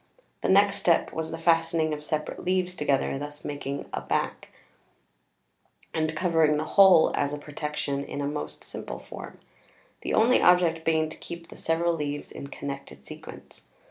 The next step was the fastening of separate leaves together, thus making a back, and covering the whole as a protection in a most simple form; the only object being to keep the several leaves in connected sequence.